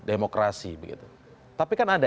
demokrasi tapi kan ada